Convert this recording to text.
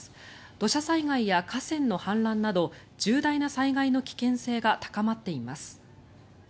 土砂災害や河川の氾濫など重大な災害の危険性が高まっています。